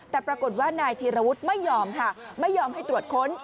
แต่ปรากฏว่านายธีรวุฒิไม่ยอมค่ะไม่ยอมให้ตรวจค้น